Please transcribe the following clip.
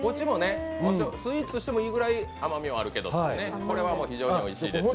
スイーツとしてもいいぐらい甘みもあるけどこれは非常においしいですよ。